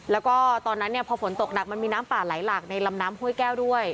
แล้วก็ตอนนั้นเนี่ยพอฝนตกหนักมันมีน้ำป่าไหลหลากในลำน้ำห้วยแก้วด้วย